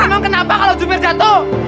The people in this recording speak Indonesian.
emang kenapa kalau jumir jatuh